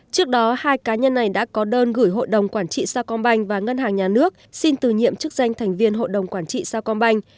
trước đó hai cá nhân này đã có đơn gửi hội đồng quản trị sao công banh và ngân hàng nhà nước xin tự nhiệm chức danh thành viên hội đồng quản trị sao công banh